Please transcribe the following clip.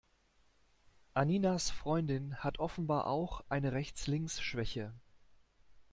Anninas Freundin hat offenbar auch eine Rechts-links-Schwäche.